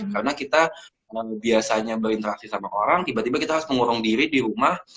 karena kita biasanya berinteraksi sama orang tiba tiba kita harus mengurung diri di rumah